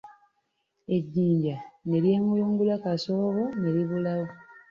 Ejinja ne ly'emulungulula kasoobo ne libulawo.